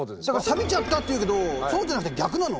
「サビちゃった」って言うけどそうじゃなくて逆なの。